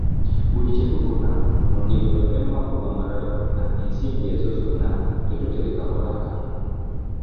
Buli kye tufuna mu nnimiro ne mu makubo amalala gonna ensimbi ezo zonna tetuterekako n'akatono.